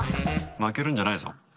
負けるんじゃねえぞ。